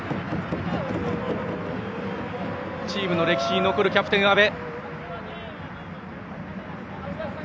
チームの歴史に残るキャプテン、阿部。